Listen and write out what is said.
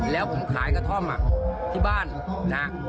แล้วผมขายก็ท่อมาที่บ้านนะครับ